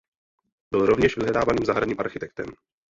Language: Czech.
Byl rovněž vyhledávaným zahradním architektem.